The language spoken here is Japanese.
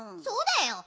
そうだよ。